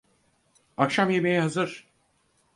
Akşam yemeği hazır.